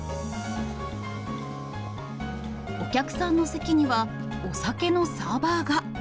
お客さんの席には、お酒のサーバーが。